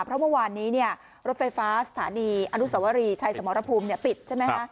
เพราะเมื่อวานนี้รถไฟฟ้าสถานีอนุสวรีชัยสมรภูมิปิดใช่ไหมคะ